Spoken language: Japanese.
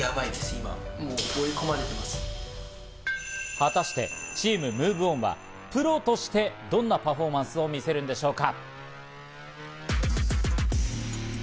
果たしてチームＭｏｖｅＯｎはプロとしてどんなパフォーマンスを見せるんでしょうか。